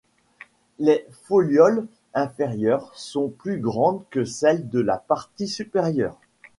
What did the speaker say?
Les folioles inférieures sont plus grandes que celles de la partie supérieure.